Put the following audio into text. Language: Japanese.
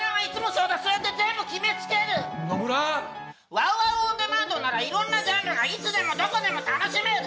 ＷＯＷＯＷオンデマンドならいろんなジャンルがいつでもどこでも楽しめる！